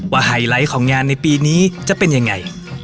ไฮไลท์ของงานในปีนี้จะเป็นยังไง